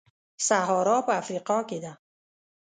سهارا په افریقا کې ده.